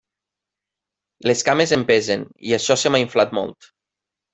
Les cames em pesen i això se m'ha inflat molt.